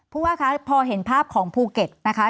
ผู้ว่าคะพอเห็นภาพของภูเก็ตนะคะ